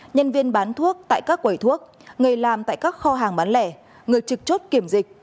nhân viên bán thuốc tại các quầy thuốc người làm tại các kho hàng bán lẻ người trực chốt kiểm dịch